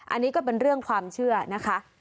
อันนี้ก็เป็นเรื่องความเชื่อนะคะ